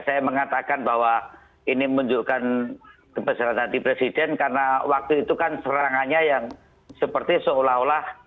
saya mengatakan bahwa ini menunjukkan kebesaran hati presiden karena waktu itu kan serangannya yang seperti seolah olah